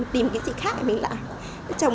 tìm cái gì khác để mình làm